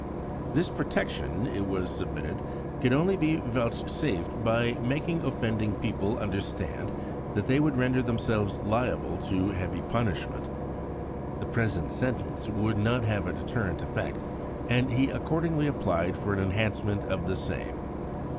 This protection, it was submitted, could only be vouchsafed by making offending people understand that they would render themselves liable to heavy punishment. The present sentence would not have a deterrent effect, and he accordingly applied for an enhancement of the same.